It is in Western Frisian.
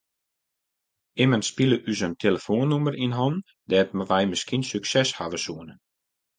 Immen spile ús in telefoannûmer yn hannen dêr't wy miskien sukses hawwe soene.